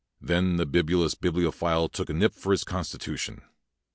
Then the bibulous bibliophile took a nip for his constitution.